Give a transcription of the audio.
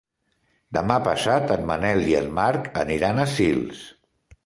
Demà passat en Manel i en Marc aniran a Sils.